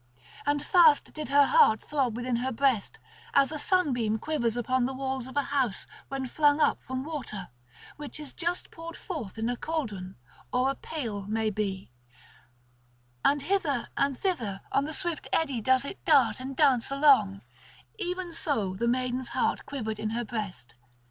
And fast did her heart throb within her breast, as a sunbeam quivers upon the walls of a house when flung up from water, which is just poured forth in a caldron or a pail may be; and hither and thither on the swift eddy does it dart and dance along; even so the maiden's heart quivered in her breast.